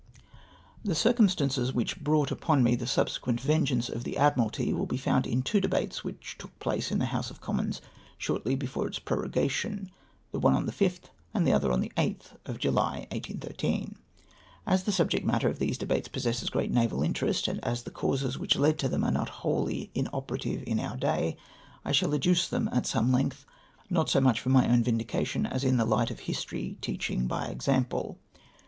The circumstances wliicli brought upon me the sub sequent vengeance of tlie Admiralty will be found, in two debates which t(3ok place in the House of Com mons shortly before its prorogation — the one on the 5tli, and the other on the 8th of July 1813. As the subject matter of these debates possesses great naval interest, and as the causes which led to them are not wholly inoperative in our day, I shall adduce them at some length, not so much for my own vindication, as in the light of history teaching by example.